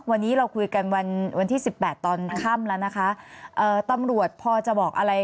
วันนี้เราคุยกันวันวันที่สิบแปดตอนค่ำแล้วนะคะเอ่อตำรวจพอจะบอกอะไร